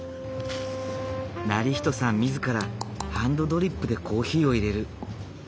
業人さん自らハンドドリップでコーヒーをいれる。